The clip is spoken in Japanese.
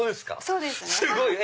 そうです。